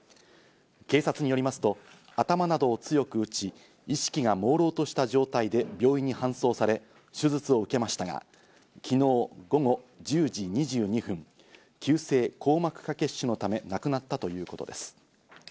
警察によりますと、頭などを強く打ち意識が朦朧とした状態で病院に搬送され、手術を受けましたが、昨日午後１０時２２分、急性硬膜下血腫のため亡くなったということです。